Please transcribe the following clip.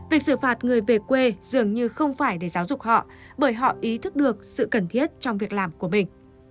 việc xử phạt người về quê dường như không phải để giáo dục họ bởi họ ý thức được sự cần thiết trong việc làm của mình